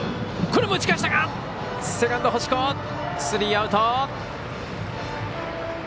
スリーアウト。